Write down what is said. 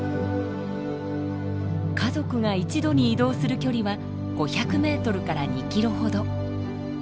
家族が１度に移動する距離は５００メートルから２キロほど。